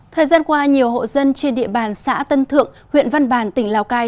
thời gian qua nhiều hộ dân trên địa bàn xã tân thượng huyện văn bàn tỉnh lào cai